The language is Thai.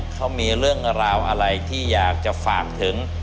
เขามีเรื่องราวอะไรที่อยากจะฝากถึง